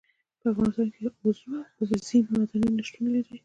په افغانستان کې اوبزین معدنونه شتون لري.